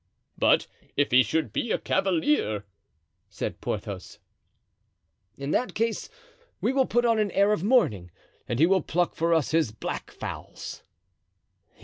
"But if he should be a cavalier?" said Porthos. "In that case we will put on an air of mourning and he will pluck for us his black fowls."